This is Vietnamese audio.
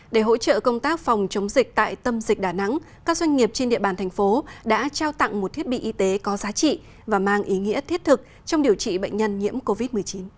để hỗ trợ công tác phòng chống dịch tại tâm dịch đà nẵng các doanh nghiệp trên địa bàn thành phố đã trao tặng một thiết bị y tế có giá trị và mang ý nghĩa thiết thực trong điều trị bệnh nhân nhiễm covid một mươi chín